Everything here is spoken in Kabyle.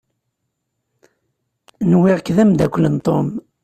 Nwiɣ-k d amdakel n Tom.